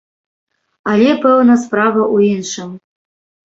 Але, пэўна, справа ў іншым.